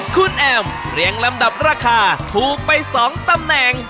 คุณแอมเรียงลำดับราคาถูกไป๒ตำแหน่ง